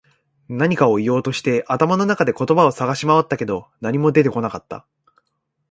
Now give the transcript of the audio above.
何かを言おうとして、頭の中で言葉を探し回ったけど、何も出てこなかった。